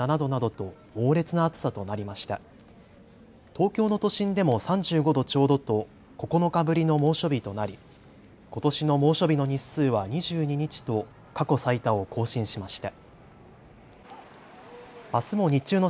東京の都心でも３５度ちょうどと９日ぶりの猛暑日となりことしの猛暑日の日数は２２日と過去最多を更新しました。